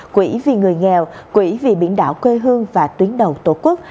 quỹ vì người nghèo quỹ vì biển đảo quê hương và tuyến đầu tổ quốc